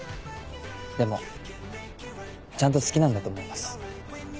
でもちゃんと好きなんだと思います。